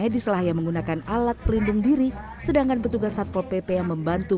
diselahaya menggunakan alat perlindung diri sedangkan petugas satpol pp yang membantu